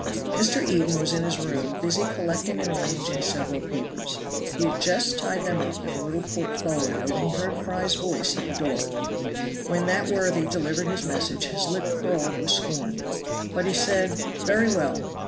Mr. Eden was in his room busy collecting and arranging several papers. He had just tied them up in a little portfolio when he heard Fry's voice at the door. When that worthy delivered his message his lip curled with scorn. But he said, "Very well."